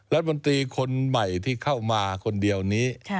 รัฐมนตรีคนใหม่ที่เข้ามาคนเดียวนี้